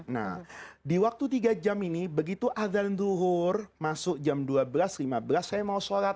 nah di waktu tiga jam ini begitu azan duhur masuk jam dua belas lima belas saya mau sholat